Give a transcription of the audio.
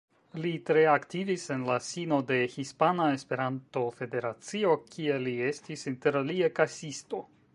Li tre aktivis en la sino de Hispana Esperanto-Federacio, kie li estis interalie kasisto.